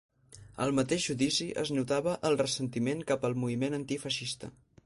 Al mateix judici es notava el ressentiment cap al moviment antifeixista.